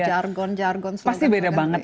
jargon jargon semuanya beda banget